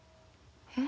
え？